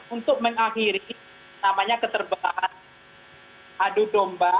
untuk mengakhiri namanya keterbahan adu domba